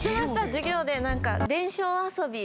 授業でなんか伝承遊び。